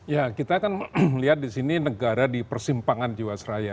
ya kita kan melihat di sini negara di persimpangan jiwasraya